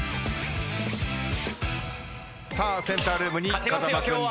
さあセンタールームに風間君です。